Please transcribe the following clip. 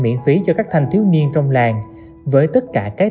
miễn phí cho các thanh thiếu niên trong làng với tất cả các